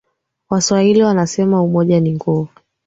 waswahili wanasema umoja ni nguvu